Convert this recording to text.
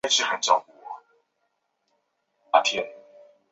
出生于明尼苏达州亚历山大。